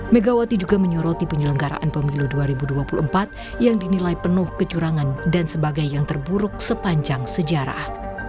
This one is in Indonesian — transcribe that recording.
megawati juga menyoroti penyelenggaraan pemilu dua ribu dua puluh empat yang dinilai penuh kecurangan dan sebagai yang terburuk sepanjang sejarah